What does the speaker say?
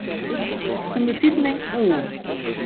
Undertiteling oan.